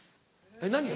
えっ何が？